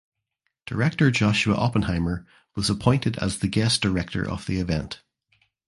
Director Joshua Oppenheimer was appointed as the guest director of the event.